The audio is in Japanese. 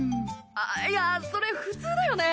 いやそれ普通だよね。